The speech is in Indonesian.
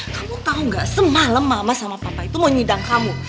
kamu tahu gak semalam mama sama papa itu mau nyidang kamu